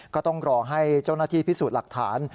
ก็ต้องรอให้เจ้าหน้าที่พิสูจน์หลักฐาน